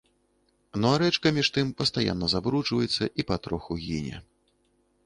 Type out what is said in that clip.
Ну а рэчка між тым пастаянна забруджваецца і патроху гіне.